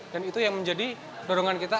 dan itu yang menjadi dorongan kita